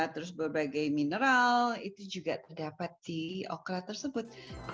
terus berbagai mineral itu juga terdapat di okra tersebut